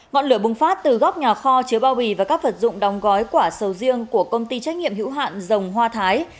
ngọn lửa bùng phát từ góc nhà kho chứa bao bì và các vật dụng đóng gói quả sầu riêng của công ty trách nhiệm hữu hạn dòng hoa thái